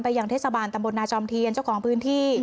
ยังเทศบาลตำบลนาจอมเทียนเจ้าของพื้นที่